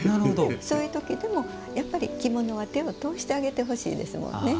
そういうときでも、着物は手を通してあげてほしいですもんね。